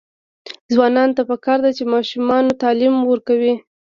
ځوانانو ته پکار ده چې، ماشومانو تعلیم ورکړي.